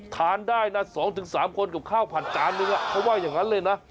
ทานได้นะ๒๓คนกับข้าวผัดจานนึงเขาว่าอย่างนั้นเลยนะ